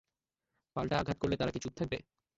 পাল্টা আঘাত করলে তারা কি চুপ থাকবে?